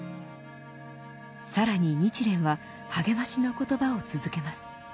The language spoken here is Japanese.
更に日蓮は励ましの言葉を続けます。